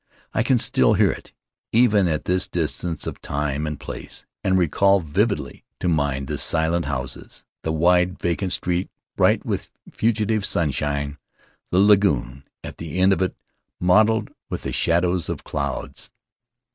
I can still hear it, even at this distance of time and place, and recall vividly to mind the silent houses, the wide, vacant street bright with fugitive sunshine, the lagoon at the end of it mottled with the shadows of clouds.